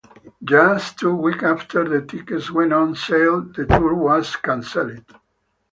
Just two weeks after the tickets went on sale, the tour was cancelled.